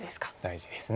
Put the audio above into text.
大事です。